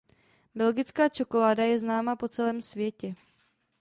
Belgická čokoláda je známá po celém světě.